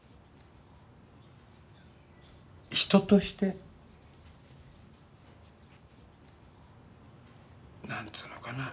人として何つうのかな